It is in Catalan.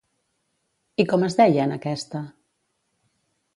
I com es deia en aquesta?